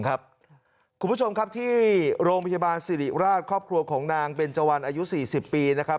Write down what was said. คุณผู้ชมครับที่โรงพยาบาลสิริราชครอบครัวของนางเบนเจวันอายุ๔๐ปีนะครับ